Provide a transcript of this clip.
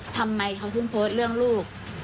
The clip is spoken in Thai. ทำไมเขาถึงโพสต์เรื่องลูก